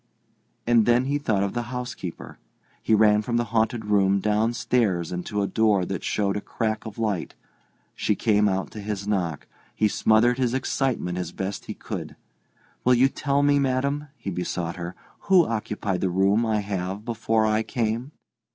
And then he thought of the housekeeper. He ran from the haunted room downstairs and to a door that showed a crack of light. She came out to his knock. He smothered his excitement as best he could. "Will you tell me, madam," he besought her, "who occupied the room I have before I came?"